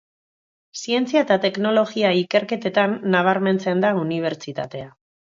Zientzia eta teknologia ikerketetan nabarmentzen da unibertsitatea.